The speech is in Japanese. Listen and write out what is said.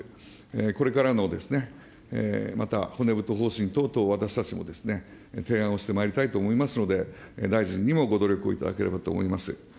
これからのまた骨太方針等々、私たちもですね、提案をしてまいりたいと思いますので、大臣にもご努力をいただければと思います。